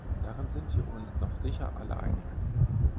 Darin sind wir uns doch sicher alle einig.